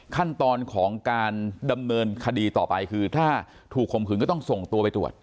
ขั้นตอนของการดำเนินคดีต่อไปคือถ้าถูกข่มขืนก็ต้องส่งตัวไปตรวจ